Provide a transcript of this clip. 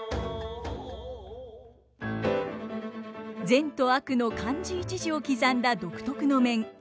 善と悪の漢字一字を刻んだ独特の面。